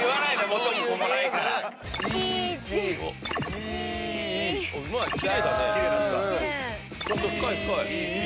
ちゃんと深い深い。